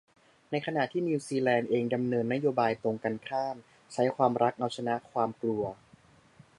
ในขณะที่นิวซีแลนด์เองดำเนินนโยบายตรงกันข้าม ใช้ความรักเอาชนะความกลัว